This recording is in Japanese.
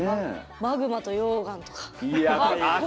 マグマと溶岩とか。